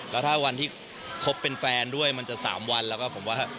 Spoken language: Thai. แล้วถ้าวันที่คบเป็นแฟนด้วยมันจะ๓วันแล้วก็ผมว่า